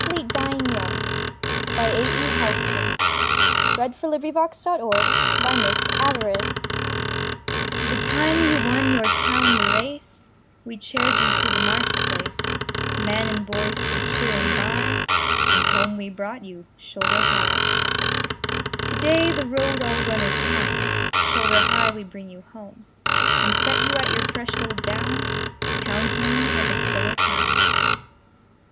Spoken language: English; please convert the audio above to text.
Modern British Poetry. 1920. A. E. Housman1859–1936 To An Athlete Dying Young THE TIME you won your town the raceWe chaired you through the market place; Man and boy stood cheering by, And home we brought you shoulder high. To day, the road all runners come, Shoulder high we bring you home, And set you at your threshold down, Townsman of a stiller town.